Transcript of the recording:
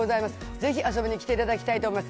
ぜひ、遊びに来ていただきたいと思います。